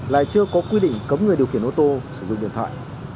lại chưa có quy định cấm người điều khiển ô tô sử dụng điện thoại